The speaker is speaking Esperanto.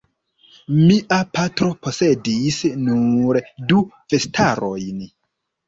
Mia patro posedis nur du vestarojn.